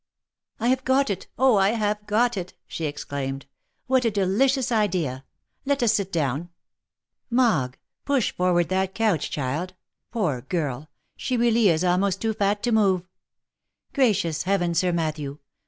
" I have got it ! Oh, I have got it !" she exclaimed. " What a delicious idea !— Let us sit down ! Mogg, push forward that couch, child. — Poor girl ! She really is almost too fat to move. Gracious heaven, Sir Matthew